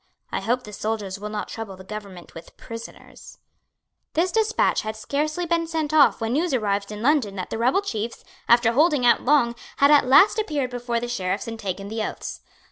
I hope the soldiers will not trouble the government with prisoners." This despatch had scarcely been sent off when news arrived in London that the rebel chiefs, after holding out long, had at last appeared before the Sheriffs and taken the oaths.